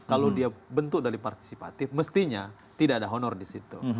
kalau dia bentuk dari partisipatif mestinya tidak ada honor di situ